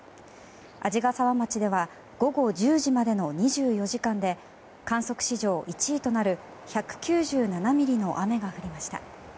鰺ヶ沢町では午後１０時までの２４時間で観測史上１位となる１９７ミリの雨が降りました。